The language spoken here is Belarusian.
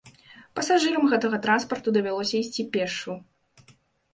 Пасажырам гэтага транспарту давялося ісці пешшу.